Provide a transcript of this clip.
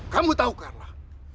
kamu tau carla